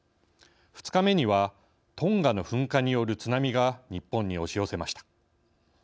２日目にはトンガの噴火による津波が日本に押し寄せました。